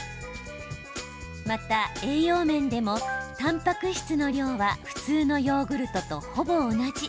また栄養面でもたんぱく質の量は普通のヨーグルトとほぼ同じ。